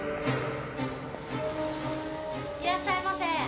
いらっしゃいませ。